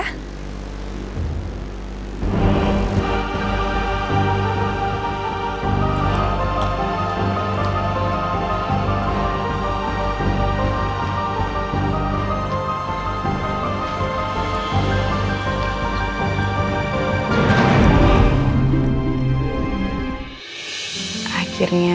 aku mau ke rumah